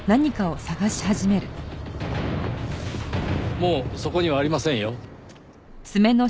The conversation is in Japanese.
もうそこにはありませんよ。